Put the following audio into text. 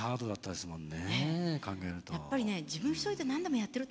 考えると。